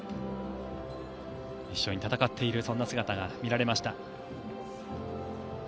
一緒に戦っているそんな姿が見られました。